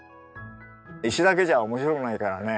石だけじゃ面白くないからね